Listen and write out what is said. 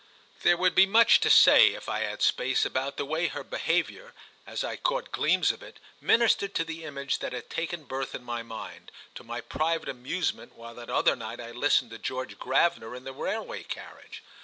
There would be much to say, if I had space, about the way her behaviour, as I caught gleams of it, ministered to the image that had taken birth in my mind, to my private amusement, while that other night I listened to George Gravener in the railway carriage.